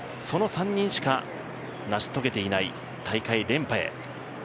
その３人しか成し遂げていない大会連覇へ。